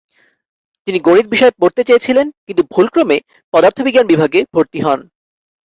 তিনি গণিত বিষয়ে পড়তে চেয়েছিলেন, কিন্তু ভুলক্রমে পদার্থবিজ্ঞান বিভাগে ভর্তি হন।